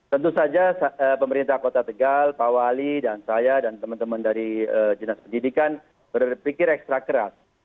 tentu saja pemerintah kota tegal pak wali dan saya dan teman teman dari dinas pendidikan berpikir ekstra keras